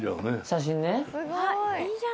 写真ね。